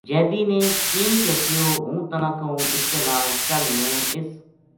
جیدی نے چِینک کے کہیو ہوں تنا کہوں اس کے نال چل میں اس